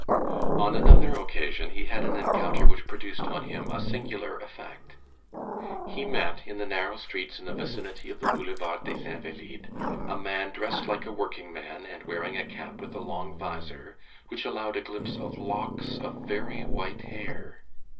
On another occasion, he had an encounter which produced on him a singular effect. He met, in the narrow streets in the vicinity of the Boulevard des Invalides, a man dressed like a workingman and wearing a cap with a long visor, which allowed a glimpse of locks of very white hair.